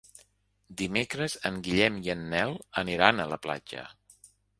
Dimecres en Guillem i en Nel aniran a la platja.